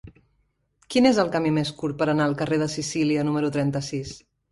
Quin és el camí més curt per anar al carrer de Sicília número trenta-sis?